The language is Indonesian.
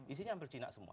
isinya hampir cina semua